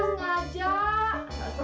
saya nggak sengaja